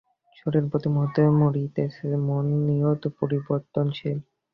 শরীর প্রতি মুহূর্তে মরিতেছে, মন নিয়ত পরিবর্তনশীল।